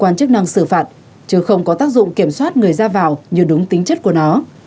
nó không có chức năng xử phạt chứ không có tác dụng kiểm soát người ra vào như đúng tính chất của nó